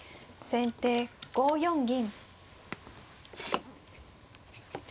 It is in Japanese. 先手５四金。